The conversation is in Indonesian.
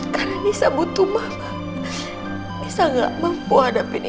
karena bisa butuh mama bisa enggak mampu hadapin ini